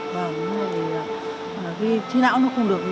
và khi chí não nó không được ngủ tốt